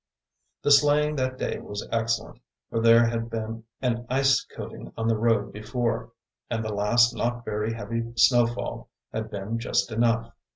The sleighing that day was excellent, for there had been an ice coating on the road before, and the last not very heavy snowfall had been just enough.